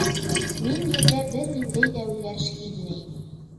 Мин Ерҙә бер ниндәй ҙә үҙгәреш һиҙмәйем!